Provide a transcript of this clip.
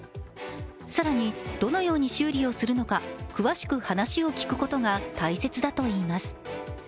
更に、どのように修理をするのか詳しく話を聞くことが大切だといいます。